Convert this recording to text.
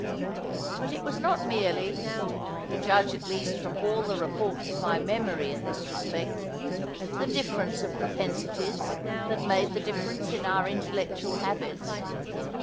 But it was not merely (to judge at least from all the reports of my memory in this respect) the difference of propensities, that made the difference in our intellectual habits.